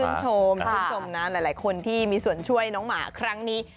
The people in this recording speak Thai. ชื่นชื่นชมนะหลายคนที่มีส่วนช่วยน้องหมาครั้งนี้